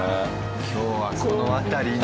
今日はこの辺りに。